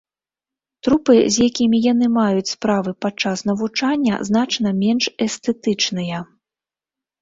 Трупы, з якімі яны маюць справы падчас навучання, значна менш эстэтычныя.